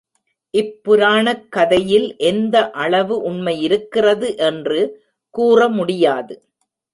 இப் புராணக் கதையில் எந்த அளவு உண்மையிருக்கிறது என்று கூற முடியாது.